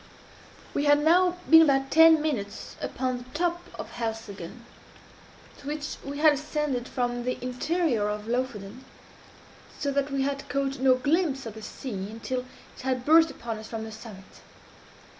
We had now been about ten minutes upon the top of Helseggen, to which we had ascended from the interior of Lofoden, so that we had caught no glimpse of the sea until it had burst upon us from the summit.